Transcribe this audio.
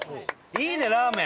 いいねラーメン。